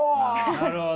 なるほど。